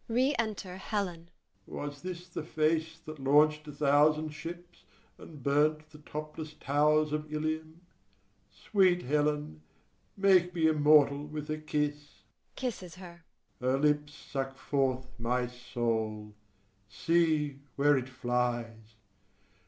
Re enter HELEN. FAUSTUS. Was this the face that launch'd a thousand ships, And burnt the topless towers of Ilium Sweet Helen, make me immortal with a kiss. [Kisses her.] Her lips suck forth my soul: see, where it flies!